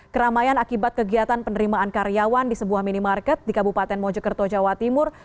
keramaian akibat kegiatan penerimaan karyawan di sebuah minimarket di kabupaten mojokerto jawa timur